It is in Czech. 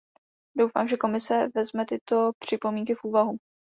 Doufám, že Komise vezme tyto připomínky v úvahu.